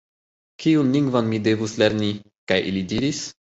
Kiun lingvon mi devus lerni? kaj ili diris: